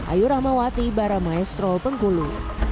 ayu rahmawati baramaestrol bengkulu